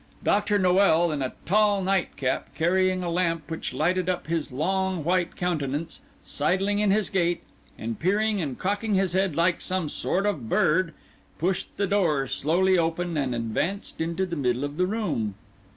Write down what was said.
Dr. Noel, in a tall night cap, carrying a lamp which lighted up his long white countenance, sidling in his gait, and peering and cocking his head like some sort of bird, pushed the door slowly open, and advanced into the middle of the room.